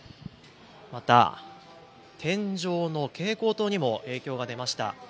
また、天井の蛍光灯にも影響が出ました。